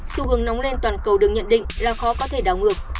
xu hướng nóng lên toàn cầu được nhận định là khó có thể đảo ngược